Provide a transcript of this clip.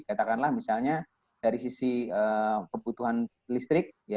katakanlah misalnya dari sisi kebutuhan listrik